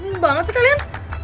dingin banget sih kalian